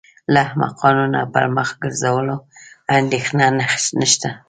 له احمقانو نه په مخ ګرځولو اندېښنه نشته.